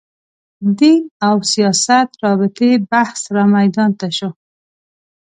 دین او سیاست رابطې بحث رامیدان ته شو